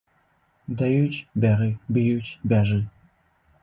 Даюць, бяры, б'юць, бяжы!